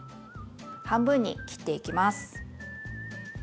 半分に切っていきます。